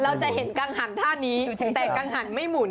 เราจะเห็นกังหันท่านี้แต่กังหันไม่หุ่น